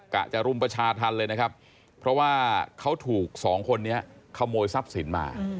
จะรุมประชาธรรมเลยนะครับเพราะว่าเขาถูกสองคนนี้ขโมยทรัพย์สินมา